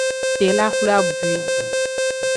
Tela xwle abwui.